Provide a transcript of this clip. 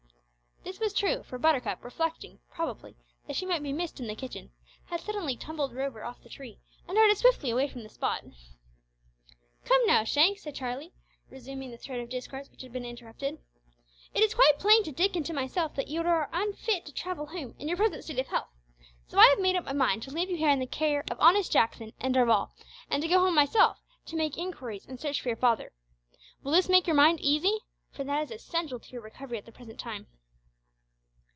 This was true, for Buttercup, reflecting, probably, that she might be missed in the kitchen, had suddenly tumbled Rover off the tree and darted swiftly from the spot. "Come now, Shank," said Charlie, resuming the thread of discourse which had been interrupted, "it is quite plain to Dick and to myself that you are unfit to travel home in your present state of health, so I have made up my mind to leave you here in the care of honest Jackson and Darvall, and to go home myself to make inquiries and search for your father. Will this make your mind easy? For that is essential to your recovery at the present time."